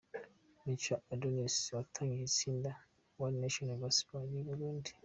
Muco Adonis watangije itsinda One Nation Gospel ry'i Burundi.